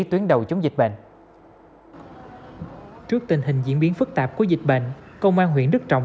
phòng chống dịch bệnh trước tình hình diễn biến phức tạp của dịch bệnh công an huyện đức trọng